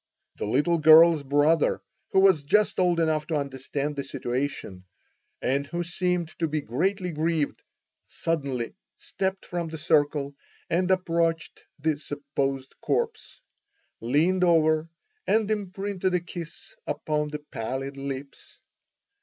The little girl's brother, who was just old enough to understand the situation, and who seemed to be greatly grieved, suddenly stepped from the circle and approached the supposed corpse, leaned over and imprinted a kiss upon the pallid lips.